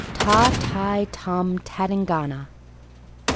Tâ, tai, tôm, tadingana.